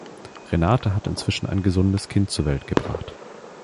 Renate hat inzwischen ein gesundes Kind zur Welt gebracht.